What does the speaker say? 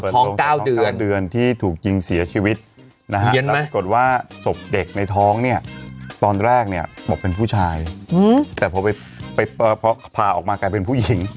ตอนแรกเนี่ยบอกเป็นผู้ชายค่ะแต่ไปไปปะพาออกมากลายเป็นผู้หญิง